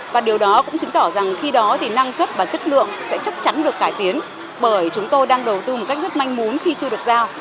và điều đó cũng chứng tỏ rằng khi đó thì năng suất và chất lượng sẽ chắc chắn được cải tiến bởi chúng tôi đang đầu tư một cách rất manh muốn khi chưa được giao